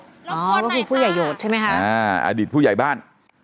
ก็คือผู้ใหญ่โหดใช่ไหมคะอ่าอดีตผู้ใหญ่บ้าน